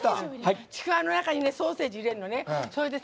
ちくわの中にソーセージ入れて。